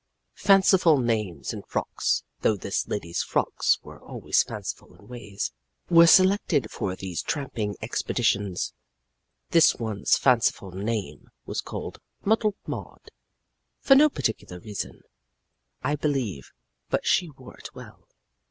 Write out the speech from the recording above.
Fanciful names and frocks (though this lady's frocks were always fanciful in ways) were selected for these tramping expeditions. This one's fanciful name was called Muddled Maud. For no particular reason, I believe but she wore it well.